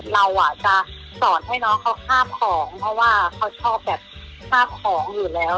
เราจะสอนให้น้องเขาข้ามของเพราะว่าเขาชอบแบบค่าของอยู่แล้ว